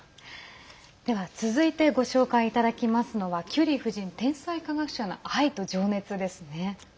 では、続いてご紹介いただきますのは「キュリー夫人天才科学者の愛と情熱」ですね。